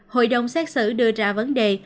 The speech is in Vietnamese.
hội đồng xét xử đưa ra vấn đề